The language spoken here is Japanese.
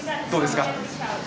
どうですか？